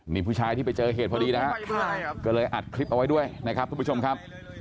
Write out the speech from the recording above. นี่ผู้ชายที่ไปเจอเหตุพอดีนะฮะก็เลยอัดคลิปเอาไว้ด้วยนะครับทุกผู้ชมครับ